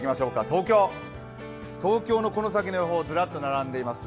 東京東京のこの先の予報、ずらっと並んでいます。